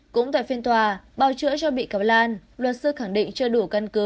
cũng tại phiên tòa bào chữa cho bị cáo lan luật sư khẳng định chưa đủ căn cứ